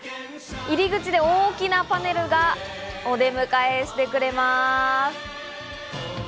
入り口で大きなパネルがお出迎えしてくれます。